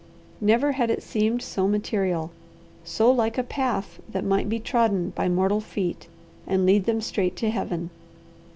Never had it seemed so material, so like a path that might be trodden by mortal feet and lead them straight to Heaven.